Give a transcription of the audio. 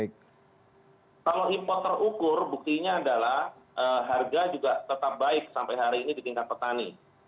kalau impor terukur buktinya adalah harga juga tetap baik sampai hari ini di tingkat petani